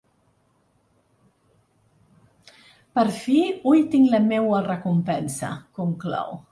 Per fi hui tinc la meua recompensa, conclou.